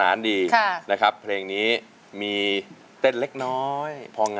อันขวางเช่นกัน